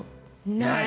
ない！